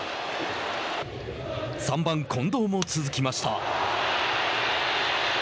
３番、近藤も続きました。